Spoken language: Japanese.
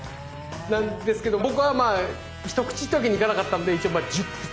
なんですけど僕はまあ１口っていうわけにいかなかったんで一応１０口。